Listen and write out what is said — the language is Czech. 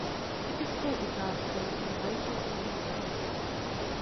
Typickou ukázkou je haiku "U Víta".